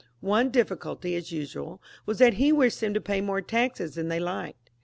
One difficulty, as usual, was that he wished them to pay more taxes than they liked.